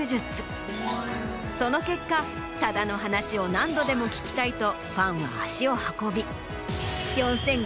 その結果さだの話を何度でも聞きたいとファンは足を運び。